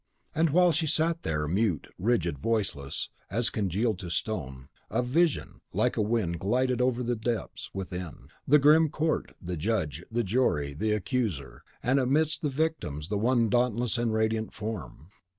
And while she sat there, mute, rigid, voiceless, as congealed to stone, A VISION, like a wind, glided over the deeps within, the grim court, the judge, the jury, the accuser; and amidst the victims the one dauntless and radiant form.